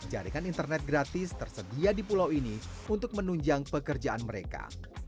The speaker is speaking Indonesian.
jaringan internet gratis tersedia di pulau ini untuk menunjang pekerjaan mereka